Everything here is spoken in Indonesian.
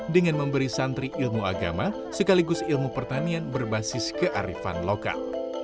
dengan memberi santri ilmu agama sekaligus ilmu pertanian berbasis kearifan lokal